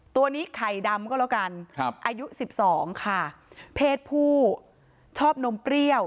ตัวนี้ไข่ดำก็แล้วกันครับอายุสิบสองค่ะเพศผู้ชอบนมเปรี้ยว